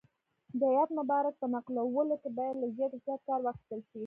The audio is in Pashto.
د آیت مبارک په نقلولو کې باید له زیات احتیاط کار واخیستل شي.